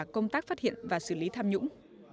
công tác phát hiện và xử lý tham nhũng